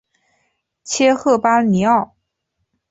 切赫巴尼奥。